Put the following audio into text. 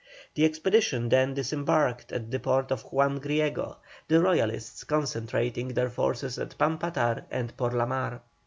The expedition then disembarked at the port of Juan Griego, the Royalists concentrating their forces at Pampatar and Porlamar.